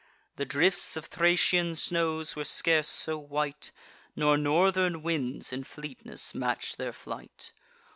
The drifts of Thracian snows were scarce so white, Nor northern winds in fleetness match'd their flight.